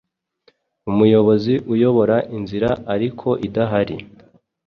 Umuyobozi uyobora inzira ariko idahari